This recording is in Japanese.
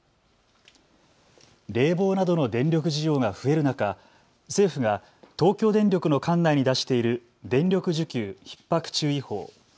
冷房などの電力需要が増える中、政府が東京電力の管内に出している電力需給ひっ迫注意報。